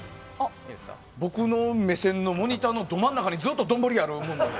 僕の目線のモニターのど真ん中に丼があるもんで。